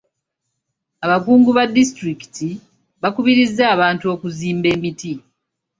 Abakungu ba disitulikiti bakubirizza abantu okuzimba emiti.